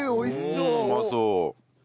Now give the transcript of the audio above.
うまそう。